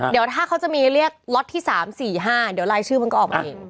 เดี๋ยวถ้าเขาจะมีเรียกล็อตที่๓๔๕เดี๋ยวลายชื่อมันก็ออกมาเอง